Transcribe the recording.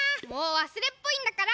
わすれっぽいんだから！